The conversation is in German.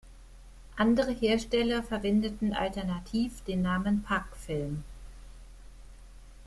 Andere Hersteller verwendeten alternativ den Namen Pak-Film.